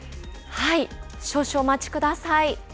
少々お待ちください。